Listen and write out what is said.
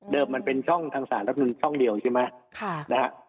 เดิมมันเป็นช่องทางศาลรับทุนช่องเดียวใช่ไหมครับ